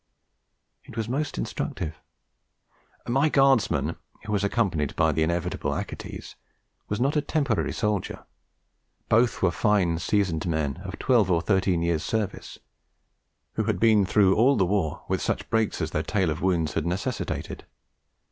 It was most instructive. My Guardsman, who was accompanied by the inevitable Achates, was not a temporary soldier; both were fine, seasoned men of twelve or thirteen years' service, who had been through all the war, with such breaks as their tale of wounds had necessitated.